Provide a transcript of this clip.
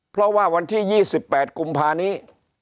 เพราะว่าวันที่๒๘กุมภานี้